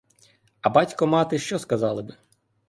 А батько-мати що сказали би?